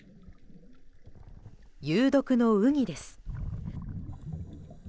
有毒のウニです。